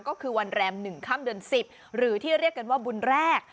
ก็คือวันแรม๑ค่ำเดือน๑๐หรือที่เรียกกันว่าบุญแรก